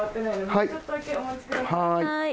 はい。